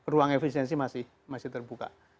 ruang efisiensi masih terbuka